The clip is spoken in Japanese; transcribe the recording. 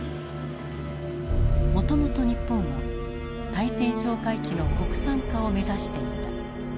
もともと日本は対潜哨戒機の国産化を目指していた。